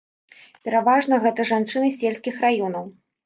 Пераважна, гэты жанчыны з сельскіх раёнаў.